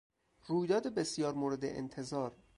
رویداد بسیار مورد انتظار